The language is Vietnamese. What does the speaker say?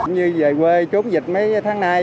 như về quê trốn dịch mấy tháng nay